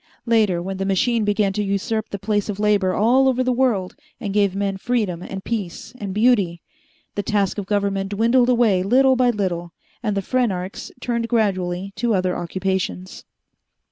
Later, when the machine began to usurp the place of labor all over the world and gave men freedom and peace and beauty, the task of government dwindled away little by little, and the phrenarchs turned gradually to other occupations."